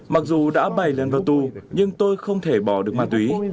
mặc dù đã bảy lần vào tù nhưng tôi không thể bỏ được ma túy